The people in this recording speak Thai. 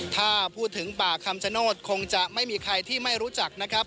ถ้าพูดถึงป่าคำชโนธคงจะไม่มีใครที่ไม่รู้จักนะครับ